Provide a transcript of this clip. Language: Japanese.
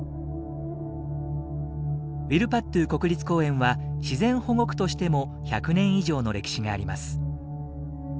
ウィルパットゥ国立公園は自然保護区としても１００年以上の歴史があります。